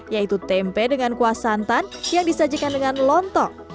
yaitu tempe dengan kuah santan yang disajikan dengan lontong